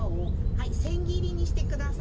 はい千切りにしてください。